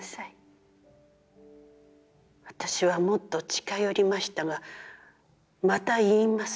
私は、もっと近寄りましたが、また、言います。